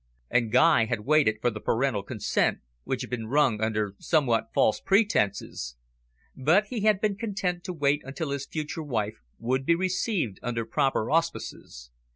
And Guy had waited for the parental consent, which had been wrung under somewhat false pretences. But he had been content to wait until his future wife would be received under proper auspices.